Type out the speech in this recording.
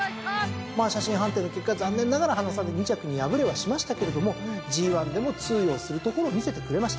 まあ写真判定の結果残念ながら鼻差で２着に敗れはしましたけれどもＧⅠでも通用するところを見せてくれました。